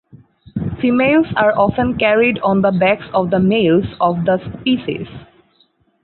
Females are often carried on the backs of the males of the species.